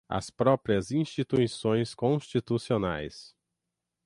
as próprias instituições constitucionais